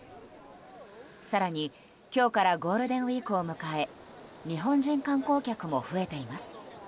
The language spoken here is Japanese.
更に今日からゴールデンウィークを迎え日本人観光客も増えています。